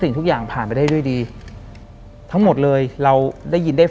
หลังจากนั้นเราไม่ได้คุยกันนะคะเดินเข้าบ้านอืม